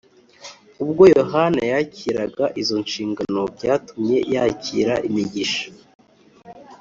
ubwo yohana yakiraga izonshingano byatumye yakira imigisha